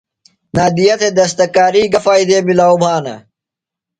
نادیہ تھےۡ دستکاری گہ فائدے ملاؤ بھانہ؟